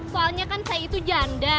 soalnya kan saya itu janda